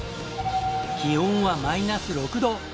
気温はマイナス６度。